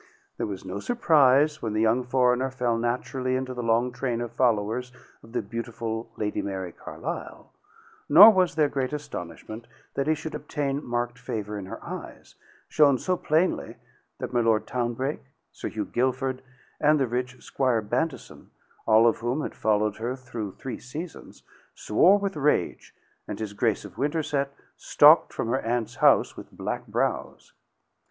There was no surprise when the young foreigner fell naturally into the long train of followers of the beautiful Lady Mary Carlisle, nor was there great astonishment that he should obtain marked favor in her eyes, shown so plainly that my Lord Townbrake, Sir Hugh Guilford, and the rich Squire Bantison, all of whom had followed her through three seasons, swore with rage, and his Grace of Winterset stalked from her aunt's house with black brows.